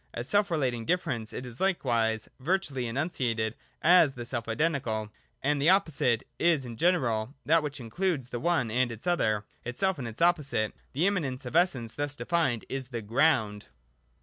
As self relating difference it is likewise virtually enunciated as the self identical. And the opposite is in general that which includes the one and its other, itself and its opposite. The immanence of essence thus de fined is the Ground.